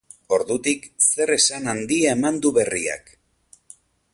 Ordutik, zer esan handia eman du berriak.